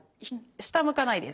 下向かないです。